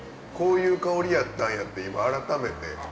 こういう香りやったんやって今改めて。